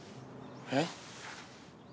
えっ？